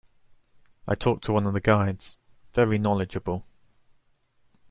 I talked to one of the guides – very knowledgeable.